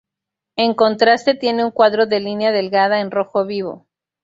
En contraste tiene un cuadro de línea delgada en rojo vivo.